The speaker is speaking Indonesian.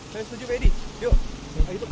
saya setuju pak edi yuk